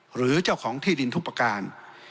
หรือเจ้าของที่ดินทุกประการ